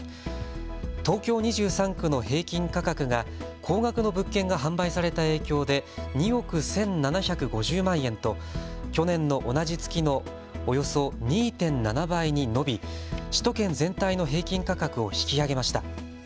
東京２３区の平均価格が高額の物件が販売された影響で２億１７５０万円と去年の同じ月のおよそ２．７倍に伸び、首都圏全体の平均価格を引き上げました。